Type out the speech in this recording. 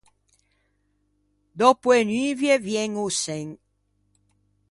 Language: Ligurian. Dòppo e nuvie vien o sen.